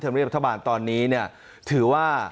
ธรรมเรียบรัฐบาลตอนนี้เนี่ย